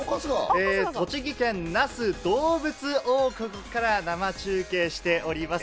栃木県・那須どうぶつ王国から生中継しております。